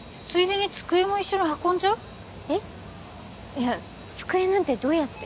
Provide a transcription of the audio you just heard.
いや机なんてどうやって？